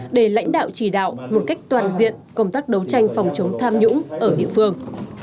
để lãnh đạo chỉ đạo một cách toàn diện công tác đấu tranh phòng chống tham nhũng ở địa phương